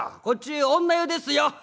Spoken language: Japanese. こっち女湯ですよ」。